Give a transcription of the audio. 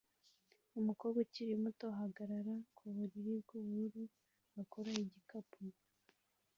Umukobwa ukiri muto ahagarara ku buriri bwubururu akora igikuba